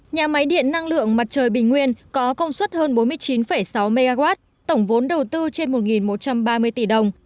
nhà máy điện năng lượng mặt trời bình nguyên có công suất hơn bốn mươi chín sáu mw tổng vốn đầu tư trên một một trăm ba mươi tỷ đồng